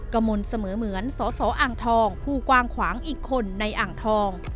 กมลเสมอเหมือนสสอ่างทองผู้กว้างขวางอีกคนในอ่างทอง